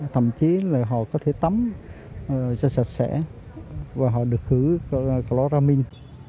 thậm chí là họ có thể tắm cho sạch sẽ và họ được khử ramin